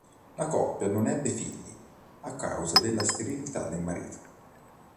La coppia non ebbe figli, a causa della sterilità del marito.